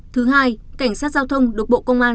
thứ hai cảnh sát giao thông được bộ công an